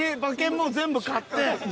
もう全部買って。